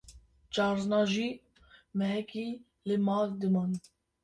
carna jî mehekî li mal dimam